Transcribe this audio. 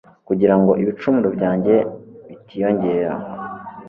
kugira ngo ibicumuro byanjye bitiyongera